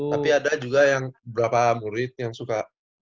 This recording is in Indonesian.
tapi ada juga yang beberapa murid yang suka